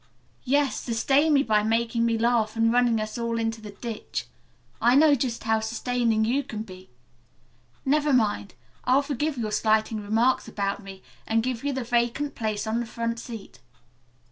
"Yes, sustain me by making me laugh and running us all into the ditch. I know just how sustaining you can be. Never mind. I'll forgive your slighting remarks about me, and give you the vacant place on the front seat.